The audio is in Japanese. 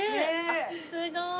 すごい。